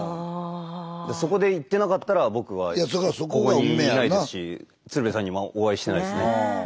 そこで行ってなかったら僕はここにいないですし鶴瓶さんにもお会いしてないですね。